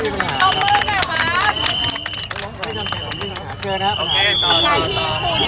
ผมอยากฝากวันนี้ได้